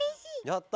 やった！